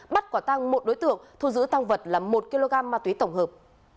bắt quả tăng một đối tượng thu giữ tăng vật là một kg ma túy tổng hợp